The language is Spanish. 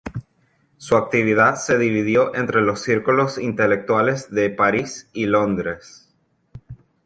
Su actividad se dividió entre los círculos intelectuales de París y Londres.